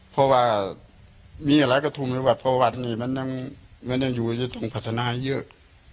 เพราะว่ามีอะไรก็ถุ่มให้วัดเพราะวัดนี่มันมันอยู่ในตรงพัฒนายเยอะ